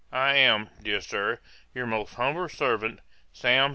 I am, dear Sir, 'Your most humble servant, 'SAM.